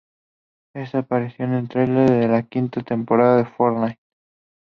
Este apareció en el tráiler de la quinta temporada de "Fortnite".